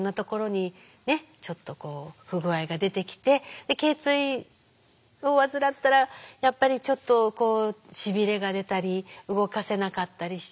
ちょっとこう不具合が出てきてけい椎を患ったらやっぱりちょっとしびれが出たり動かせなかったりして。